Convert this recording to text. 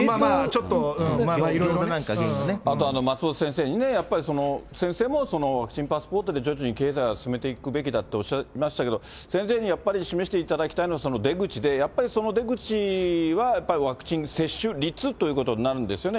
冷凍ギョーザなんか、あと、松本先生にね、やっぱりその、先生もワクチンパスポートで経済を進めていくべきだとおっしゃいましたけど、先生にやっぱり示していただきたいのは、出口で、やっぱりその出口はやっぱりワクチン接種率ということになるんですよね。